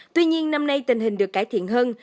tuy nhiên năm nay tình hình được cải thiện hơn